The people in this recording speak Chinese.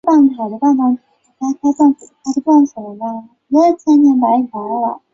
持续针对危险建筑进行盘点